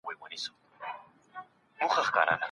ډرامه لیکنه یې هم نوې لار پرانیسته.